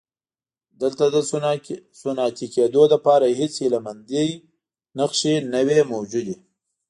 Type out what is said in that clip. دلته د صنعتي کېدو لپاره هېڅ هیله مندۍ نښې نه وې موجودې.